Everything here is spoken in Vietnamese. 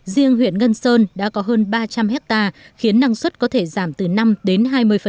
riêng huyện ngân sơn đã có hơn ba trăm linh hectare khiến năng suất có thể giảm từ năm đến hai mươi